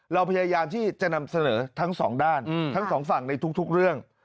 เราพยายามที่จะนำเสนอทั้งสองด้านทั้งสองฝั่งในทุกเรื่อง